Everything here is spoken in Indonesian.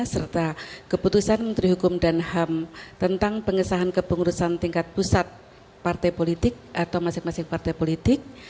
serta keputusan menteri hukum dan ham tentang pengesahan kepengurusan tingkat pusat partai politik atau masing masing partai politik